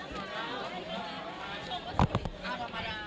สวัสดีค่ะ